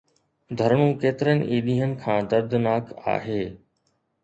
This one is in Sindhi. ڌرڻو ڪيترن ئي ڏينهن کان دردناڪ آهي.